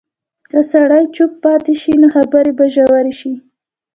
که سړی چوپ پاتې شي، نو خبرې به ژورې شي.